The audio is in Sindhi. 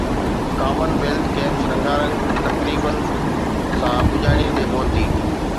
ڪمن ويلٿ گيمز رنگا رنگ تقريب سان پڄاڻي تي پهتي